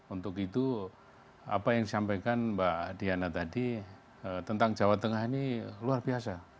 untuk itu apa yang disampaikan mbak diana tadi tentang jawa tengah ini luar biasa